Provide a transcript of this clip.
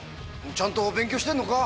ちゃんと勉強してんのか？